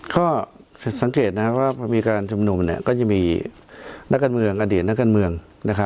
ก็สังเกตว่ามีการช่ำนุมพวกจะมีอเดียนณนเมือง